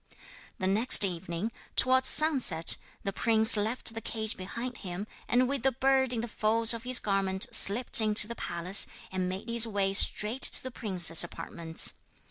The next evening, towards sunset, the prince left the cage behind him, and with the bird in the folds of his garment slipped into the palace and made his way straight to the princess's apartments.